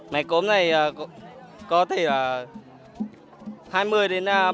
máy cốm này có thể là hai mươi đến năm mươi